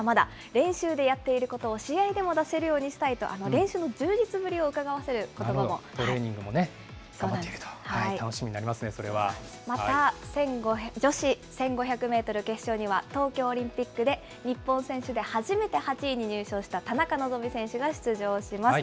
練習でやっていることを試合でも出せるようにしたいと、練習の充トレーニングも待っていると、また女子１５００メートル決勝には、東京オリンピックで日本選手で初めて８位に入賞した田中希実選手が出場します。